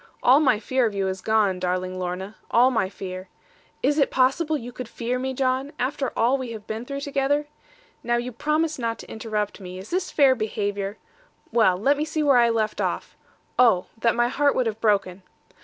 All my fear of you is gone, darling Lorna, all my fear ' 'Is it possible you could fear me, John, after all we have been through together? Now you promised not to interrupt me; is this fair behaviour? Well, let me see where I left off oh, that my heart would have broken.